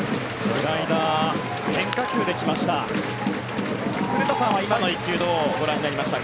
スライダー変化球で来ました。